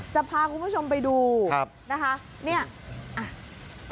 จะพาคุณผู้ชมไปดูนะคะ